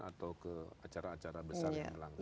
atau ke acara acara besar yang melangkah